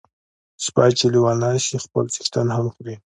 سپي چی لیوني سی خپل څښتن هم خوري .